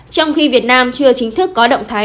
trong khi việt nam chưa chính thức có động thái